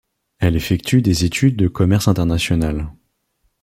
Elle effectue des études de commerce international.